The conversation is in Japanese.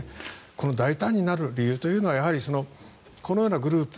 この大胆になる理由というのはこのようなグループ